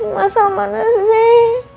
masalah mana sih